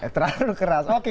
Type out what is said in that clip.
terlalu keras oke